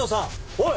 おい！